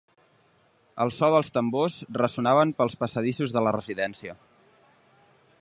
El só dels tambors ressonaven pels passadissos de la residència.